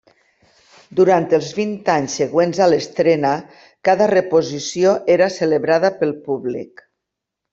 Durant els vint anys següents a l'estrena cada reposició era celebrada pel públic.